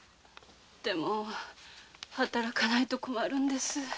でも働かないと困るんです。